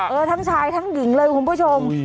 เออทั้งชายทั้งหญิงเลยคุณผู้ชม